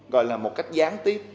gọi là một cách gián tiếp